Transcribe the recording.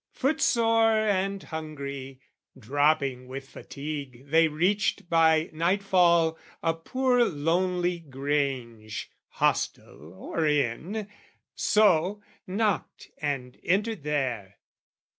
Foot sore and hungry, dropping with fatigue, They reached by nightfall a poor lonely grange, Hostel or inn: so, knocked and entered there.